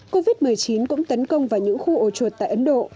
covid một mươi chín cũng tấn công vào những khu ổ chuột tại ấn độ